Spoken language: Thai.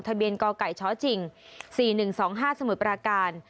ทะเบียนกไก่ชจิงสี่หนึ่งสองห้าสมุดประการ